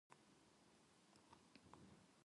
世俗を離れて、余裕ある心で自然や芸術にひたる態度。